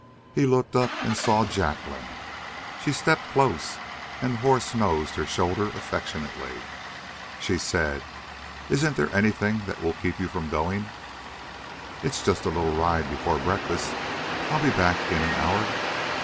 He looked up and saw Jacqueline. She stepped close, and the horse nosed her shoulder affectionately. She said: "Isn't there anything that will keep you from going?" "It's just a little ride before breakfast. I'll be back in an hour."